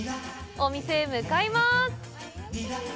お店へ向かいます。